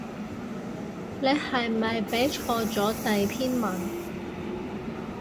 你係咪畀錯第篇文